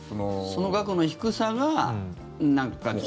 その額の低さがなんか。